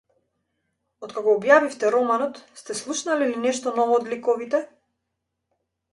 Откако го објавивте романот, сте слушнале ли нешто ново од ликовите?